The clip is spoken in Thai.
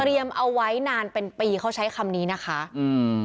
เอาไว้นานเป็นปีเขาใช้คำนี้นะคะอืม